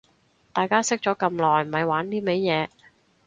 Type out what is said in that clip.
大家識咗咁耐咪玩呢味嘢